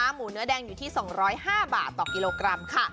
หมูเนื้อแดงอยู่ที่๒๐๕บาทต่อกกก